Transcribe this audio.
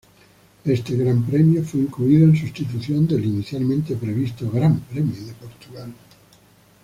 Este Gran Premio fue incluido en sustitución del inicialmente previsto Gran Premio de Portugal.